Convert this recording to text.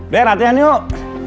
de latihan yuk